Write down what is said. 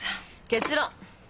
結論！